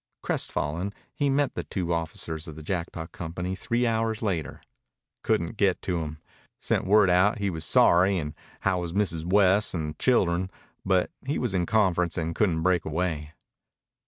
Crestfallen, he met the two officers of the Jackpot Company three hours later. "Couldn't get to him. Sent word out he was sorry, an' how was Mrs. West an' the children, but he was in conference an' couldn't break away."